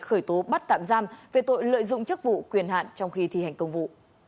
khởi tố bắt tạm giam về tội lợi dụng chức vụ quyền hạn trong khi thi hành công vụ